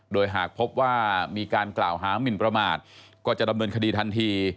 โดยหากพบว่ามีการกล่าวหามินประมาทก็จะดำเนินคดีทันที